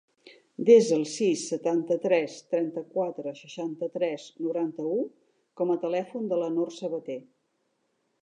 Desa el sis, setanta-tres, trenta-quatre, seixanta-tres, noranta-u com a telèfon de la Nor Sabater.